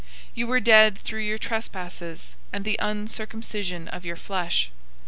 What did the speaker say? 002:013 You were dead through your trespasses and the uncircumcision of your flesh.